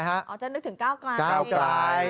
จะนึกถึงก้าวไกล